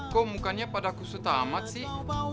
kok mukanya pada aku setah amat sih